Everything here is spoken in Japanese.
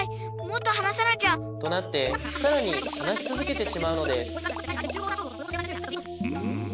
もっとはなさなきゃ！となってさらにはなしつづけてしまうのですん？